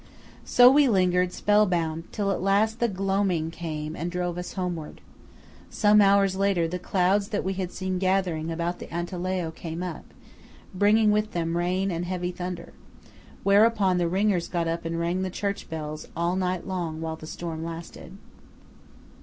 So we lingered, spell bound, till at last the gloaming came and drove us homeward. Some hours later, the clouds that we had seen gathering about the Antelao came up, bringing with them rain and heavy thunder; whereupon the ringers got up and rang the church bells all night long while the storm lasted.